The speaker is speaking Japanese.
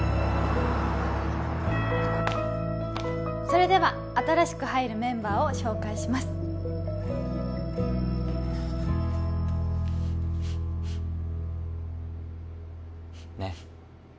それでは新しく入るメンバーを紹介しますねえ